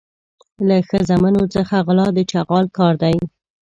له ښځمنو څخه غلا د چغال کار دی.